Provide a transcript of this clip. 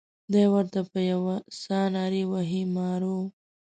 دای ورته په یوه ساه نارې وهي مارو.